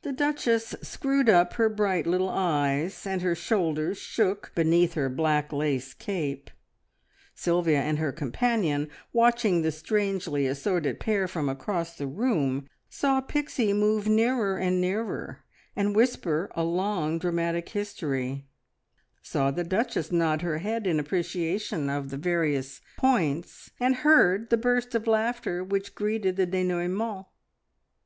The Duchess screwed up her bright little eyes, and her shoulders shook beneath her black lace cape. Sylvia and her companion, watching the strangely assorted pair from across the room, saw Pixie move nearer and nearer, and whisper a long dramatic history; saw the Duchess nod her head in appreciation of the various points, and heard the burst of laughter which greeted the denouement.